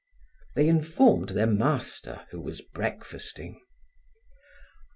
They informed their master, who was breakfasting.